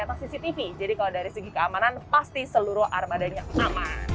ternyata cctv jadi kalau dari segi keamanan pasti seluruh armadanya aman